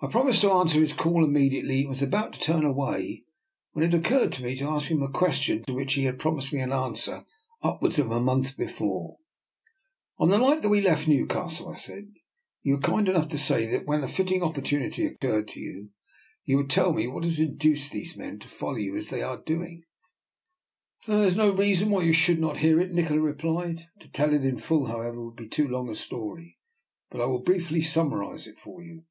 I promised to answer his call immediately, and was about to turn away, when it oc curred to me to ask him a question to which he had promised me an answer upwards of a month before. " On the night that we left Newcastle," I said, "you were kind enough to say that when a fitting opportunity occurred you 242 DR. NIKOLA'S EXPERIMENT. would tell me what has induced these men to follow you as they are doing." " There is no reason why you should not hear it," Nikola replied. *' To tell it in full, however, would be too long a story, but I will briefly summarize it for you.